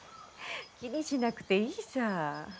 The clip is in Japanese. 気にしなくていいさ。